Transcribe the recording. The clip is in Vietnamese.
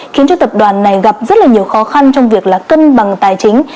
khiến cho tập đoàn này gặp rất là nhiều khó khăn trong việc là cân bằng tài chính